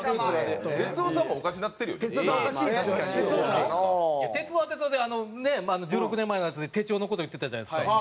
哲夫は哲夫であの１６年前のやつで手帳の事言ってたじゃないですか。